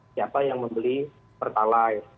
siapa yang membeli perpalaik